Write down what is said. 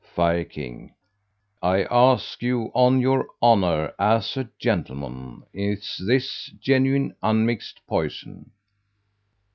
Fire king "I ask you, on your honor as a gentleman, is this genuine unmixed poison?"